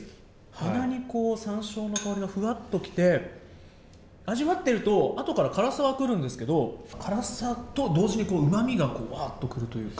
鼻にこうさんしょうの香りがふわっと来て、味わってると、あとから辛さは来るんですけど、辛さと同時にうまみがぶわーっとくるというか。